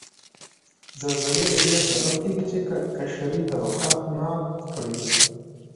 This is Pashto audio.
زلزلې ددې سبب کیږي چې قشري طبقات مات کړي